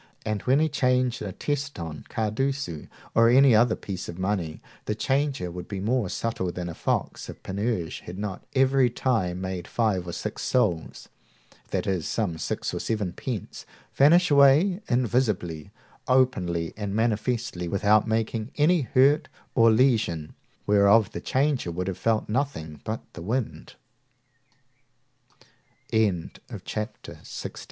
And when he changed a teston, cardecu, or any other piece of money, the changer had been more subtle than a fox if Panurge had not at every time made five or six sols (that is, some six or seven pence,) vanish away invisibly, openly, and manifestly, without making any hurt or lesion, whereof the changer should have felt nothing but the wind. Chapter 2.XVII.